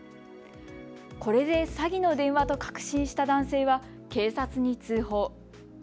これで詐欺の電話と確信した男性は警察に通報。